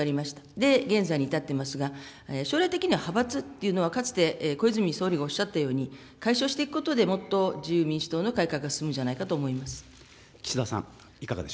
で、現在に至っていますが、将来的には派閥というのは、かつて小泉総理がおっしゃったように、解消していくことで、もっと自由民主党の改革が進むんじゃないかと思います。